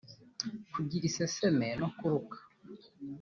Kugira iseseme no kuruka